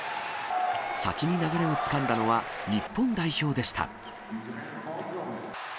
先に流れをつかんだのは、日本代表でした。